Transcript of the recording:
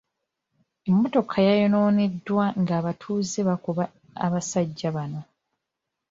Emmotoka yayonooneddwa ng'abatuuze bakuba abasajja bano.